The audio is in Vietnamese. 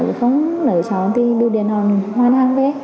chứ không lấy cho công ty đưa điện hòn hoan hăng thế